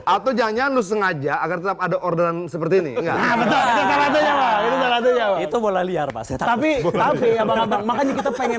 atau jangan nyandu sengaja agar tetap ada orderan seperti ini itu bola liar tapi makanya kita pengen